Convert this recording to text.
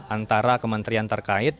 antara kementerian terkait